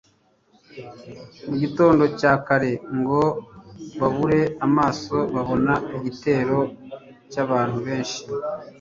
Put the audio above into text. mu gitondo cya kare, ngo bubure amaso babona igitero cy'abantu benshi